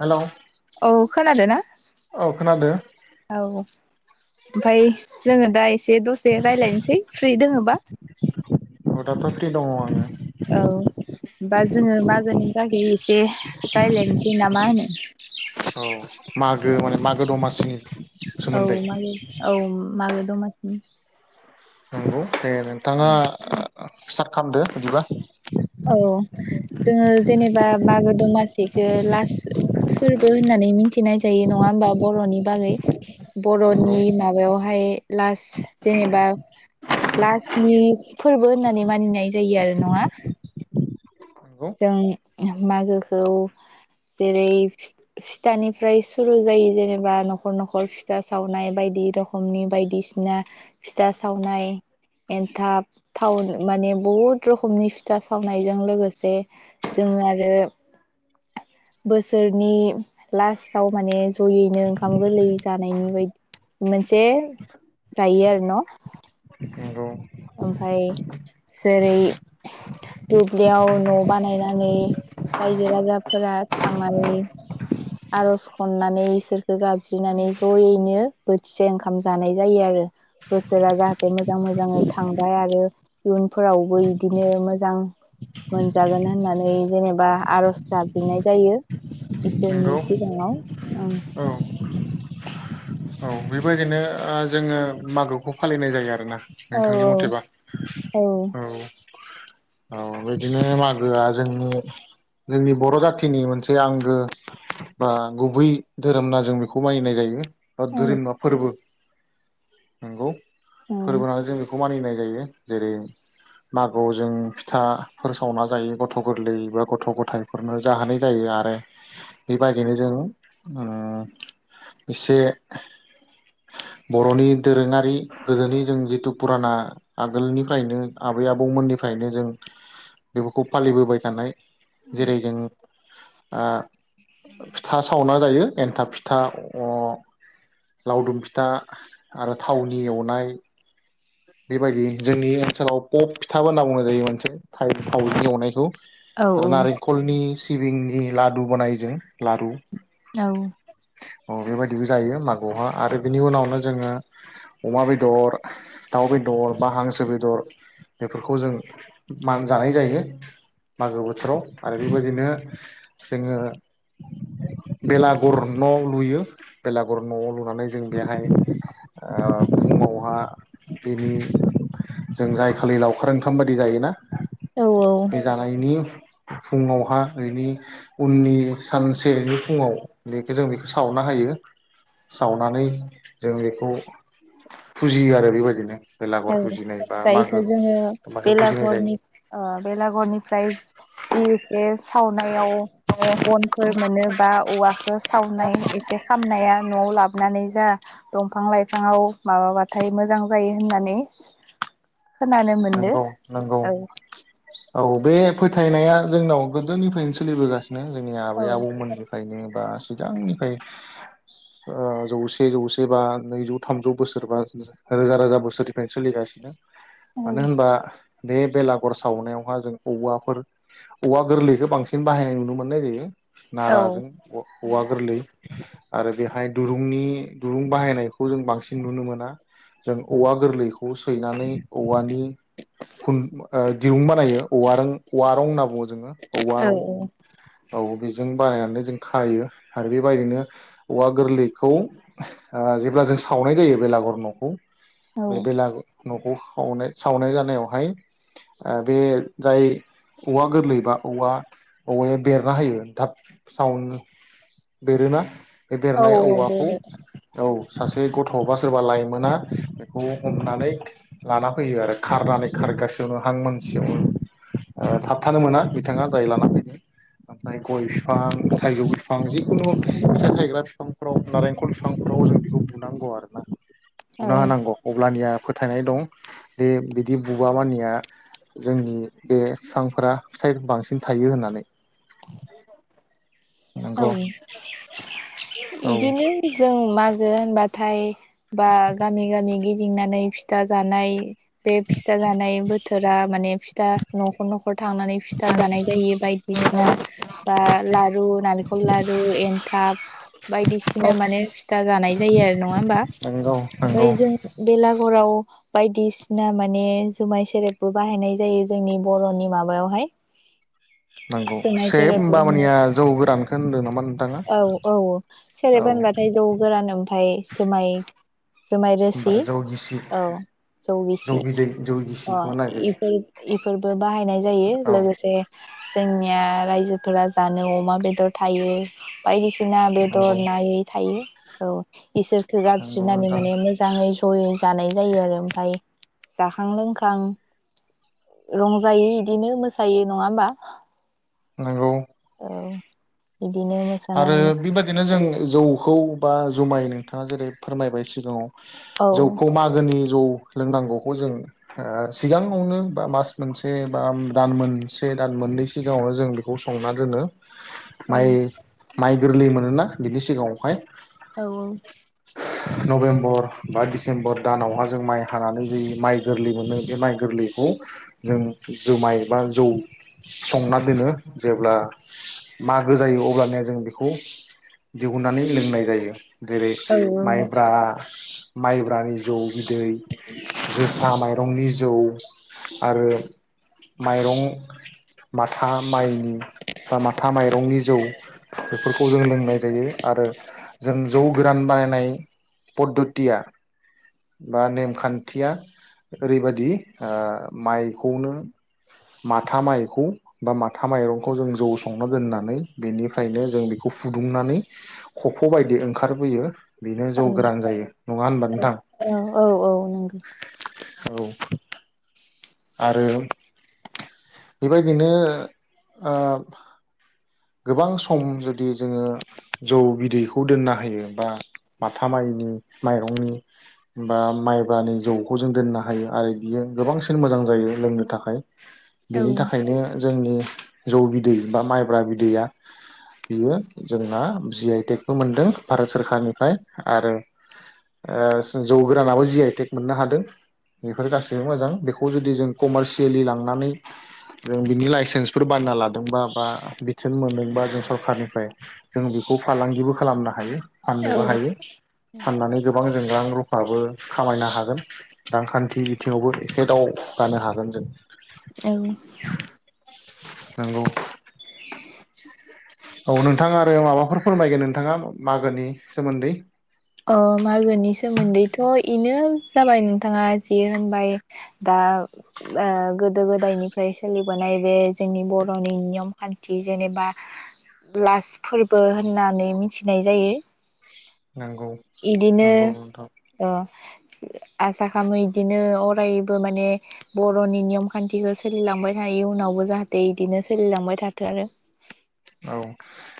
Hello औ खोनादों ना औ खोनादों औ ओमफाय जोङो दा एसे दसे रायज्लायनोसै फ्रि दङ बा अ दाथ' फ्रि दङ' आङो। औ। बा जोङो मागोनि बागै एसे रायलायनोसै नामा होनो? औ मागो माने मागो दमासिनि औ सोमोन्दै। मागो औ मागो दमासिनि। नंगौ। दे नोंथाङा आ ओ स्टार्ट खालामदो बिदिबा। औ जोङो जेनेबा मागो दमासिखो लास फोरबो होननानै मिथिनाय जायो। नङा होमबा बर'नि बागै। नंगौ बर'नि माबायावहाय लास जेनेबा लासनि फोरबो होननानै मानिनाय जायो आरो नङा। नंगौ जों मागोखौ जेरै फिथ-फिथानिफ्राय सुरु जायो जेनेबा न'खर न'खर फिथा सावनाय बायदि रखमनि बायदिसिना फिथा सावनाय एन्थाब थावन माने बहुद रोखमनि फिथा सावनायजों लोगोसे जों आरो बोसोरनि लास्टाव माने जयैनो ओंखाम गोरलै जानायनि बायदि मोनसे जायो आरो न'? नंगौ ओमफाय जेरै दुब्लियाव न' बानायनानै रायजो राजाफोरा थांनानै आर'ज खननानै इसोरखौ गाबज्रिनानै जयैनो बोथिसे ओंखाम जानाय जायो आरो बोसोरा जाहाथे मोजां मोजाङै थांबाय आरो इयुनफोरावबो इदिनो मोजां मोनजागोन होननानै जेनेबा आर'ज गाबज्रिनाय जायो। जोंनि नंगौ सिगाङाव औ। औ बेबायदिनो ओ जोङो मागोखौ फालिनाय जायो आरोना? औ नोंथांनि मथेबा औ। औ बेदिनो मागोआ जोंनि जोंनि बर' जाथिनि मोनसे आंगो बा गुबै धोरोमना जों बेखौ मानिनाय जायो। औ ओरैनोबा फोरबो नंगौ। औ फोरबो होननानै जों बेखौ मानिनाय जायो जेरै मागोआव जों फिथाफोर सावना जायो गथ' गोरलै बा गथ' गथायफोरनो जाहोनाय जायो आरो बेबायदिनो जों एसे बर'नि दोरोङारि गोदोनै जों जिथु फुराना आगोलनिफ्रायनो आबै आबौमोननिफ्रायनो जों बेफोरखौ फालिबोबाय थानाय जेरै जों आ फिथा सावना जायो। एन्थाब फिथा अ लावदुम फिथा आरो थावनि एवनाय बेबायदि जोंनि ओनसोलाव पप फिथाब होनना बुंनाय जायो मोनसे थावजों एवनायखौ। औ आरो नारेंखलनि सिबिंनि लादु बनाय जों लारु। औ। अ बेबायदि जायो मागोआवहा आरो बिनि उनावनो जोङो अमा बेदर, दाउ बेदर बा हांसो बेदर बेफोरखौ जों मान जानाय जायो मागो बोथोराव आरो बेबायदिनो जोङो बेलागुर न' लुयो। बेलागर न'आव लुनानै जों बेहाय फुङावहा बेनि जों जाय खालि लावखार ओंखाम बायदि जायोना औ औ बे जानायनि फुङावहा नि उननि सानसेनि फुङाव बेखौ जों बेखौ सावना होयो सावनानै जों बेखौ फुजियो आरो बेबायदिनो बेलागर औ फुजिनाय बा मागो जायखौ जोङो मागो फुजिनाय जायो बेलाघरनि ओ बेलाघरनिफ्राय जि एसे सावनायाव बनफोर मोनो बा औवाखौ सावनाय एसे खामनाया न'आव लाबोनानै जा दंफां लाइफांङाव माबाबाथाय मोजां जायो होननानै खोनानो मोनदो नंगौ नंगौ औ औ बे फोथायनाया जोंनाव गोदोनिफ्रायनो सोलिबोगासिनो जोंनि औ आबै आबौमोननिफ्रायनो बा सिगांनिफ्राय ओ जौसे जौसे बा नैजौ थामजौ बोसोर बा रोजा रोजा बोसोरनिफ्रायनो सोलिगासिनो। औ मानो होनबा बे बेलागर सावनायावहा जों औवाफोर औवा गोरलैखौ बांसिन बाहायनाय नुनो मोननाय जायो। नाराजों औवा औवा गोरलै आरो बेहाय दुरुंनि दुरुं बाहायनायखौ जों बांसिन नुनो मोना जों औवा गोरलैखौ खौ सैनानै औवानि दिरुं बानायो औव र औव रं होनना बुङो जोङो औवा औ रं औ बेदि जों बानायनानै जों खायो आरो बेबायदिनो औवा गोरलैखौ जेब्ला जों सावनाय जायो बेलागर न' खौ औ बे लाग न' खौ- - सावनाय सावनाय जानायावहाय ओ बे जाय औवा गोरलैबा औवा औवाया बेरना होयो थाब सावनो बेरोना बे औ बेरनाय औवाखौ बेनो औ सासे गथ' बा सोरबा लाइमोना बेखौ हमनानै लाना फैयो आरो खारनानै खारगासेयावनो हां मानसियावनो थाबथानो मोना बिथाङा जाय लाना फैयो ओमफ्राय गय बिफां थाइजौ बिफां जिखुनु फिसा थायग्रा बिफांफोराव नारेंखल बिफांफोराव जों बेखौ बुनांगौ आरो ना औ बुना बेनो होनांगौ अब्लानिया फोथायनाय दं बे बिदि बुबा मानिया जोंनि बे फिफांफोरा फिथायफोरखौ बांसिन थायो होननानै औ नंगौ औ बिदिनो जों म -ज होनबाथाय बा गामि गामि गि- दिंनानै फिथा जानाय बे फिथा जानाय बोथोरा माने फिथा न' खर न' खर थांनानै फिथा जानाय जायो बायदिसिना बा लारु नालेंखर लारु एनथाब बायदि सिना माने फिथा जानाय जायो नंङा होनबा नंगौ नंगौ ओमफ्राय जों बेलागुर हराव बायदिसिना माने जुमाय सेरेबबो बाहायनाय जायो जोंनि बर'नि माबायावहाय नंगौ जुमाय सेब सेरेब हबा होनो मानिया जौ गोरान होनदों नामा नो औ औ सेरेब होनबाथाय जौ गोरान ओमफाय जुमाय जुमाय होमबा रोसि जौ गिसि औ जौ गिसि बिदै जौ ओ गिसिखौ नागिरो इफोर इफोरबो बाहायनाय जायो औ लोगोसे जोंनिया रायजोफोरा जानो अमा बेदर थायो। बायदि सि ना बेदर नंगौ नायै थायो औ इसोरखौ नंगौ गाबज्रिनानै नोंथां माने मोजाङै जयै जानाय जायो आरो ओमफफ्राय जाखां लोंखां रंजायो बिदिनो मोसायो नङा होमबा? नोंगौ। औ इदिनो आरो मोसानानै बेबादिनो जों जौखौ बा जुमाय नोंथाङा जेरै फोरमायबाय सिगाङाव। औ जौखौ मागोनि जौ लोंनांगौखौ जों सिगाङावनो बा मास मोनसे बा दान मोनसे दान मोननै सिगाङावनो जों बेखौ संना दोनो। औ माइ माइ गोरलै मोनोना बिनि सिगाङावहाय। औ नभेम्बर बा डिसेम्बर दानावहा जों माइ हानानै जि माइ गोरलै मोनो बे माइ गोरलैखौ जों जुमाय बा जौ संना दोनो जेब्ला मागो जायो अबलानिया जों बेखौ दिहुननानै लोंनाय जायो। जेरै औ माइब्रा, माइब्रानि जौ, बिदै, जोसा माइरंनि जौ। आरो माइरं माथा माइनि बा माथा माइरंनि जौ। बेफोरखौ जों लोंनाय जायो आरो जों जौ गोरान बानायनाय फुदुथिया बा नेमखान्थिया ओरैबादि ओ माइ खौनो माथा माइखौ बा माथा माइरंखौ जौसंनो दोनना बेनि फ्रायनो जों बेखौ फुदुंनानै खफबादि ओंखारबोयो। बेनो जौ गोरान जायो नङा होनबा नोंथां? औ औ औ औ नंगौ औ आरो बेबायदिनो ओ गोबां सम जुदि जोङो जौ बिदैखौ दोननो हायो। बा माथा माइनि माइरंनि बा माइब्रानि जौखौ जों दोननो हायो आरो बियो गोबांसिन मोजां जायो लोंनो थाखाय। बेनि औ थाखायनो जोंनि जौ बिदै बा माइब्रा बि दैआ बियो जोंना जि आइ टेकबो मोनदों भारत सरखारारनिफ्राय आरो जौ गोरानाबो जि आइटेक मोननो हादों बेफोर गासैबो मोजां। बेखौ जुदि जों कमारसियेलि लांनानै जों बिनि लाइसेन्सफोर बायना लादोंबा बा बिथोन मोनदोंबा जों सरखारनिफ्राय जों बेखौ फालांगिबो खालामनो हायो। औ फाननोबो हायो। फाननानै गोबां जों रां रू फाबो खामायनो हागोन। रांखान्थि बिथिङावबो एसे दावगानो हागोन जों। औ नंगौ औ नोंथाङा माबाफोर फोरमायगोन औ नंगौ ए नंगौ नोंथां अरायबो माने बर'नि नियम खान्थिखौ सोलिलांबाय थायो उनावबो जाहाथे इदिनो सोलिलांबाय थाथों आरो [unintelligible] औ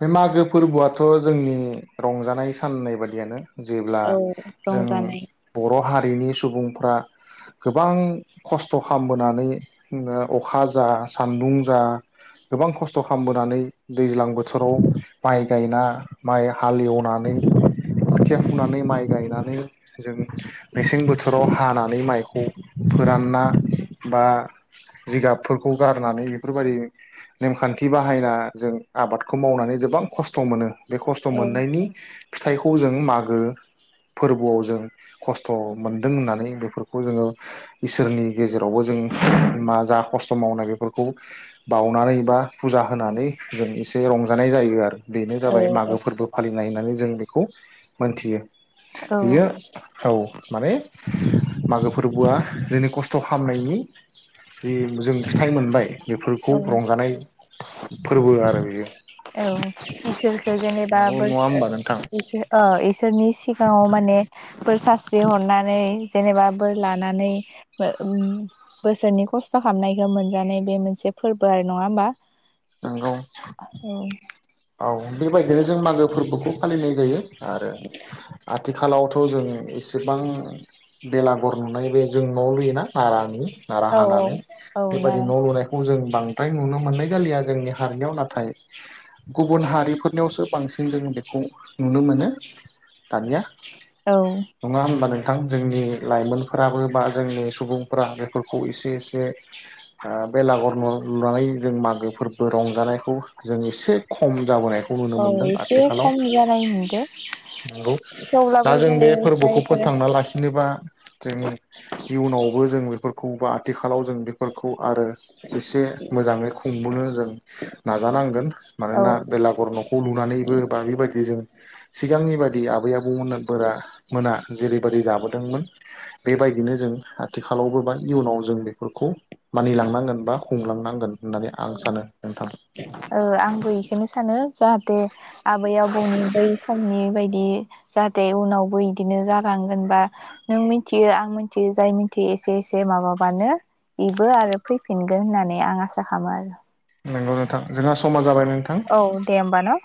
बे मागो फोरबोआ थ' जोंनि जेब्ला औ रंजानाय हारिनि सुबुंफ्रा गोबां दैज्लां बोथोराव माइ जों आबादखौ बे खस्थ' औ म फिथाइखौ जों जों एसे रंजानाय जायो आरो बेनो औ जाबाय मागो फोरबो फालियो [inaudible] नायनानै जों बेखौ मोनथियो औ बियो औ माने [inaudible] मागो फोरबोआ बेफोरखौ औ रंजानाय [unintelligible] आरो बियो औ इसोरखो जेनेबा नंगौ बोर नङा ओ होमबा नोंथां इस ओ इसोरनि सिगांङाव माने बोरर सास्रि हरनानै जेनेबा बोर लानानै ओ उम बोसोरनि खस्थ' खालामनायखौ मोनजानाय बे मोनसे फोर्बो आरो नङा होमबा नंगौ औ औ बेबायदिनो जों मागो फोरबोखौ फालिनाय जायो आरो आथि आथिखालावथ' जों एसेबां बेलागर नुनाय बे जों न'आव लुयोना नारानि नारा औ हानानै औ बेबायदि नालाय न' लुनायखौ जों बांद्राय नुनो मोननाय जालिया जोंनि हारिनियाव नाथाय गुबुन हारिफोरनियावसो बांसिन जों बेखौ नुनो मोनो दानिया औ नङा होनबा नों [unintelligible] जोंनि लाइमोनफोराबो बा जोंनि सुबुंफोरा बेफोरखौ एसे एसे बेलागर न' लुनानै जों मागो फोर्बो रंजानायखौ जों एसे खम जाबाय खौ नुनो औ मोनदों एसे आथिखालाव खम जानाय नुदो नंगौ दा थेवब्लाबो जों बे जोङो फोरबोखौ जायफोर फोथांना लाखिनोबा जों इयुनावबो जों बेफोर खौबा आथिखालाव जों बेफोरखौ आरो एसे मोजांङै खुंबोनो जों नाजानांगोन मानोना औ बेलागर न'खौ लुनानैबो बा बेबायदि जों सिगांनि बायदि आबै-आबौ [unintelligible] बोरा मोना जेरैबादि जाबोदोंमोन बेबायदिनो जों आथिखालावबो बा इयुनाव जों बेफोरखौ मानिलांनांगोन बा हमलांनांगोन औ आंबोै इखो बेखोनो सानो जाहाथे आबै आबौनि बै सम नि बायदि जाहाथे उनावबो बिदिनो जालांगोन बा नों मिथियो आं मिथियो जाय मिथियो एसे एसे माबाबानो बेबो आरो फैफिनगोन होननानै आं आसा खामो आरो औ नोंथां जोंहा समा जाबाय नोंथां औ दे होमबा न'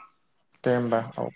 दे होमबा औ।